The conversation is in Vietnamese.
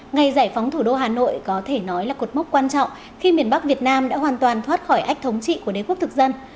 ngày giải phóng thủ đô hà nội có thể nói là cột mốc quan trọng khi miền bắc việt nam đã hoàn toàn thoát khỏi ách thống trị của đế quốc thực dân